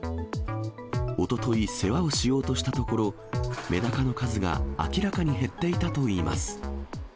おととい、世話をしようとしたところ、メダカの数が明らかに減っていたといいます。